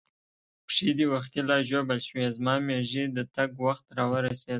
پښې دې وختي لا ژوبل شوې، زما مېږي د تګ وخت را ورسېد.